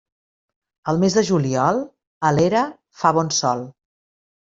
Al mes de juliol, a l'era fa bon sol.